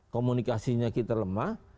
komunikasinya kita lemah